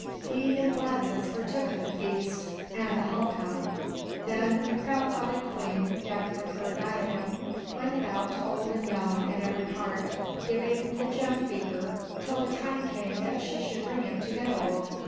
He in gladness partook of the feast and the hall cup. Then the proud thoughted Queen, decked with her diadem, went about to old and young in every part, giving the gemmed beaker, till the time came that she should bring it to Beowulf.